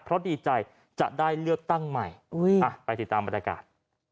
เพราะดีใจจะได้เลือกตั้งใหม่ไปติดตามบรรยากาศ